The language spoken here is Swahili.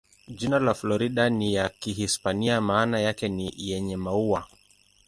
Jina la Florida ni ya Kihispania, maana yake ni "yenye maua".